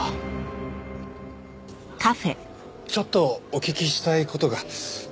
ちょっとお聞きしたい事が。